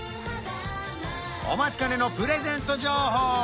お待ちかねのプレゼント情報